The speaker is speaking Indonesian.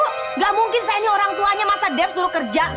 tidak mungkin saya ini orang tuanya masa debt suruh kerja